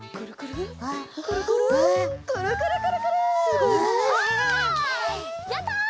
すごい！やった！